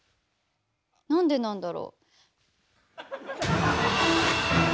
なんでなんだろう？